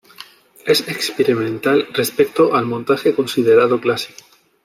Es experimental respecto al montaje considerado clásico.